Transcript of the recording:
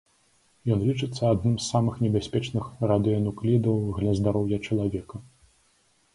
Ён лічыцца адным з самых небяспечных радыенуклідаў для здароўя чалавека.